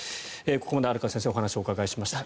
ここまで荒川先生にお話をお伺いしました。